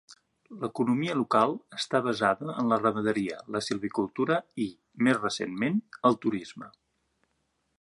L'economia local està basada en la ramaderia, la silvicultura i, més recentment, el turisme.